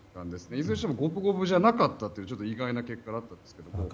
いずれにしても五分五分じゃなかったというちょっと意外な結果でした。